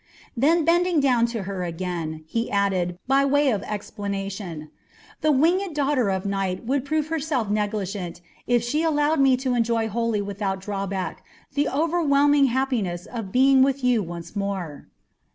Then bending down to her again, he added, by way of explanation: "The winged daughter of Night would prove herself negligent if she allowed me to enjoy wholly without drawback the overwhelming happiness of being with you once more."